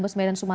terima kasih pak